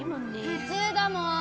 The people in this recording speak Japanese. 普通だもん。